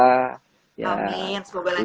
amin semoga lancar lancar ya bang